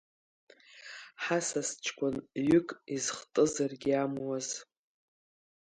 Ҳасас ҷкәын ҩык изхтызаргьы амуаз…